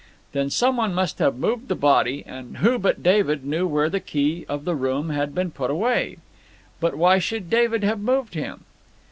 Then some one must have moved the body, and who but David knew where the key of the room had been put away? But why should David have moved him?